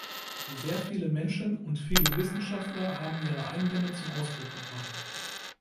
Sehr viele Menschen und viele Wissenschaftler haben ihre Einwände zum Ausdruck gebracht.